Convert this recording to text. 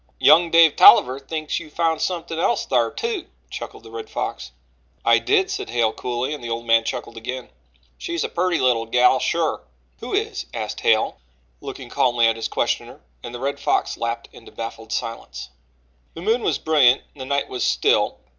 "Young Dave Tolliver thinks you found somethin' else thar, too," chuckled the Red Fox. "I did," said Hale coolly, and the old man chuckled again. "She's a purty leetle gal shore." "Who is?" asked Hale, looking calmly at his questioner, and the Red Fox lapsed into baffled silence. The moon was brilliant and the night was still.